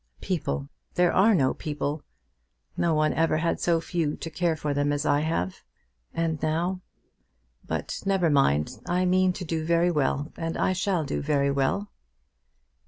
"People! there are no people. No one ever had so few to care for them as I have. And now . But never mind; I mean to do very well, and I shall do very well."